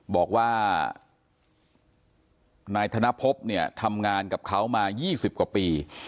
บอกว่านายธนภพเนี่ยทำงานกับเขามา๒๐กว่าปี